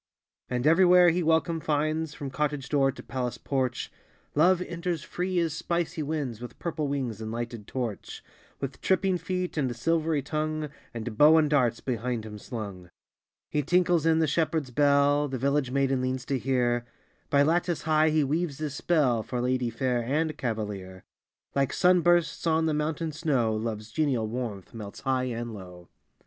And everywhere he welcome finds, From cottage door to palace porch Love enters free as spicy winds, With purple wings and lighted torch, With tripping feet and silvery tongue, And bow and darts behind him slung. He tinkles in the shepherd s bell The village maiden leans to hear By lattice high he weaves his spell, For lady fair and cavalier : Like sun bursts on the mountain snow, Love s genial warmth melts high and low.